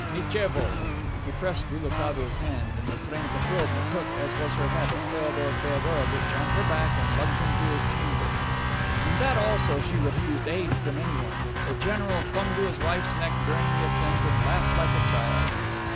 Nichevo!" He pressed Rouletabille's hand, and Matrena Petrovna took, as was her habit, Feodor Feodorovitch on her back and lugged him to his chamber. In that also she refused aid from anyone. The general clung to his wife's neck during the ascent and laughed like a child.